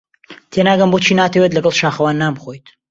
تێناگەم بۆچی ناتەوێت لەگەڵ شاخەوان نان بخۆیت.